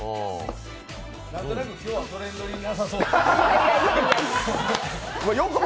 何となく今日は、トレンド入りなさそうだよね。